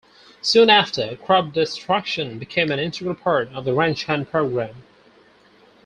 Soon after, crop destruction became an integral part of the "Ranch Hand" program.